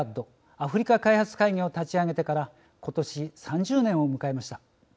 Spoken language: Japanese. アフリカ開発会議を立ち上げてから今年３０年を迎えました。